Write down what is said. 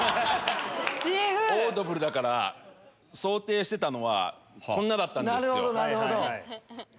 オードブルだから想定してたのはこんなだったんですよ。